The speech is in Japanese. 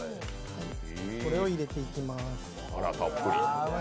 これを入れていきます。